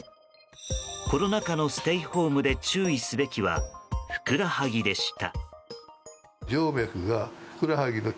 コロナ禍のステイホームで注意すべきはふくらはぎでした。